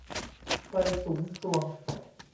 ไฟสุมทรวง